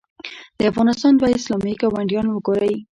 د افغانستان دوه اسلامي ګاونډیان وګورئ.